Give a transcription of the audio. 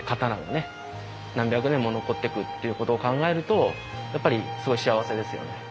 何百年も残ってくっていうことを考えるとやっぱりすごい幸せですね。